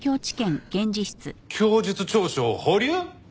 供述調書を保留？